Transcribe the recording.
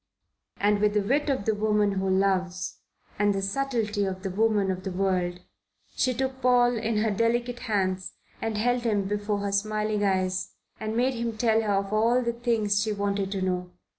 And with the wit of the woman who loves and the subtlety of the woman of the world she took Paul in her delicate hands and held him before her smiling eyes and made him tell her of all the things she wanted to know.